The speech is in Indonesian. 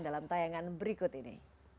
dalam tayangan berikut ini